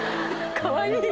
かわいい。